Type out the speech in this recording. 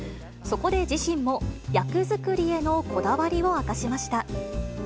そこで自身も、役作りへのこだわりを明かしました。